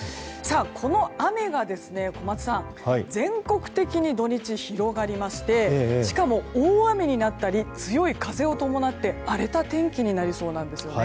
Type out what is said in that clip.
この雨が全国的に土日広がりましてしかも大雨になったり強い風を伴って荒れた天気になりそうなんです。